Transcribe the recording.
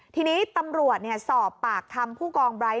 ทีนี้ตำรวจเนี่ยสอบปากคำผู้กองไบร์ท